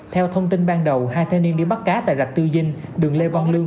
theo thông tin ban đầu hai thanh niên đi bắt cá tại rạch tư dinh đường lê văn lương